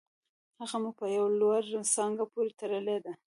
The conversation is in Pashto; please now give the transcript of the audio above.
هغه مو په یوه لوړه څانګه پورې تړلې ده